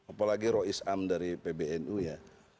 apalagi roh is'am dari pbnu ya